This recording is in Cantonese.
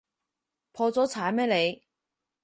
破咗產咩你？